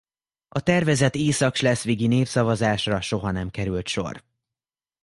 A tervezett észak-schleswigi népszavazásra soha nem került sor.